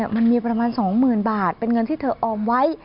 มันมีประมาณ๒๐๐๐บาทเป็นเงินที่เธอออมไว้